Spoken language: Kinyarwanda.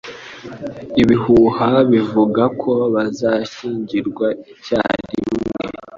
Ibihuha bivuga ko bazashyingirwa icyarimwe.